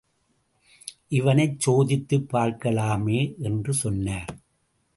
″இவனைச் சோதித்துப் பார்க்கலாமே! என்று சொன்னார்.